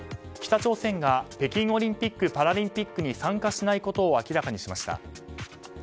北朝鮮が北京オリンピック・パラリンピックに参加しないことを明らかにしました。